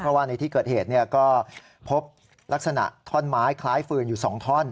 เพราะว่าในที่เกิดเหตุก็พบลักษณะท่อนไม้คล้ายฟืนอยู่๒ท่อน